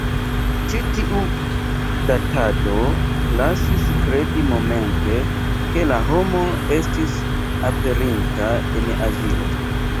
Ĉi tiu datado lasis kredi momente, ke la homo estis aperinta en Azio.